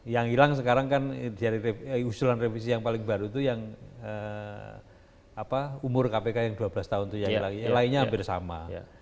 yang hilang sekarang kan dari usulan revisi yang paling baru itu yang umur kpk yang dua belas tahun itu yang lainnya hampir sama